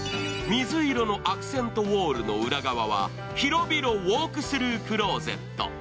水色のアクセントウオールの裏側は、広々ウォークスルークローゼット。